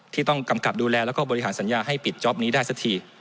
ต้องกำกับดูแลแล้วก็บริหารสัญญาให้ปิดจ๊อปนี้ได้สักที